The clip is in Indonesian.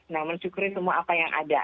nah mensyukuri semua apa yang ada